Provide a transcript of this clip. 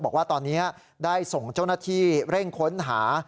บอกว่าตอนนี้ได้ส่งเจ้าหน้าที่เร่งค้นหา